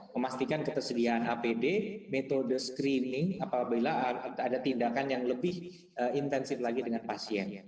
memastikan ketersediaan apd metode screening apabila ada tindakan yang lebih intensif lagi dengan pasien